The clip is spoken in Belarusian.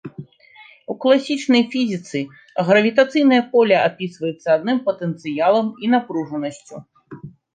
У класічнай фізіцы гравітацыйнае поле апісваецца адным патэнцыялам і напружанасцю.